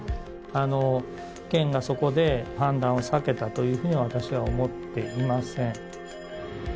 あの県がそこで判断を避けたというふうには私は思っていません。